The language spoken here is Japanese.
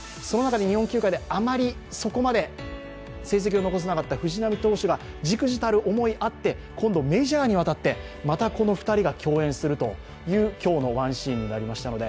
日本球界ではそこまで成績を残せなかった藤浪投手がじくじたる思いがあって、今度メジャーに渡って、またこの２人が競演するという今日のワンシーンになりましたので、